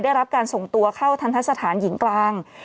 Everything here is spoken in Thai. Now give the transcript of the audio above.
ได้รับการส่งตัวเข้าทันทะสถานหญิงกลาง